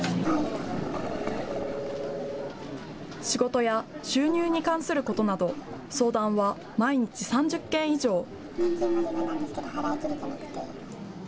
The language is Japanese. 仕事や収入に関することなど相談は毎日３０件以上。